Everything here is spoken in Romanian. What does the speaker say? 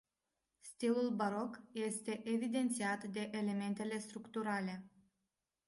Stilul baroc este evidențiat de elementele structurale.